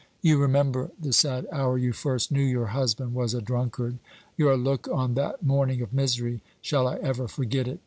You remember the sad hour you first knew your husband was a drunkard. Your look on that morning of misery shall I ever forget it?